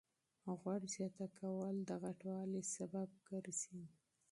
غوړ زیات کول د چاغښت سبب ګرځي.